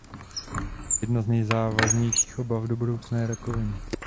Jedna z nejzávažnějších obav do budoucna je rakovina.